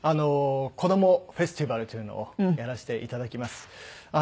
「こどもフェスティバル」というのをやらせて頂きます。